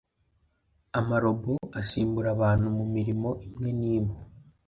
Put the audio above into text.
amarobo asimbura abantu mu mirimo imwe n’imwe